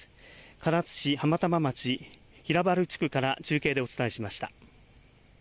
唐津市浜玉町平原地区から中継でお伝えしました。